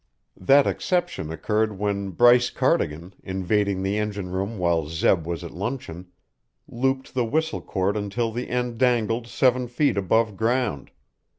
That exception occurred when Bryce Cardigan, invading the engine room while Zeb was at luncheon, looped the whistle cord until the end dangled seven feet above ground.